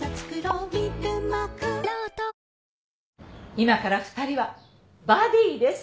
今から２人はバディです。